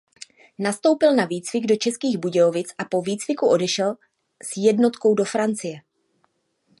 Nastoupil na výcvik do Českých Budějovic a po výcviku odešel s jednotkou do Francie.